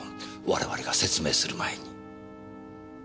我々が説明する前に。